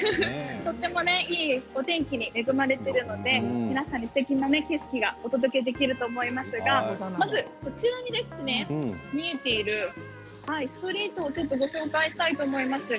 とてもいいお天気に恵まれているので皆さんにすてきな景色がお届けできると思いますがまず、こちらに見えているストリートをご紹介したいと思います。